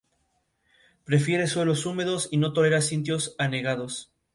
Los primeros animales fueron invertebrados marinos, es decir, los vertebrados llegaron más tarde.